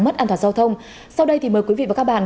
mất an toàn giao thông sau đây thì mời quý vị và các bạn